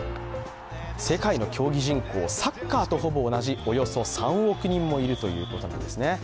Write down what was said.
世界の競技人口、サッカーとほぼ同じ３億人もいるということなんですね。